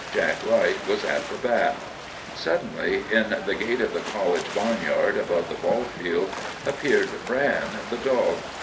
Jack Wright was at the bat. "Suddenly in the gate of the college barnyard, above the ball field, appeared Bran, the dog.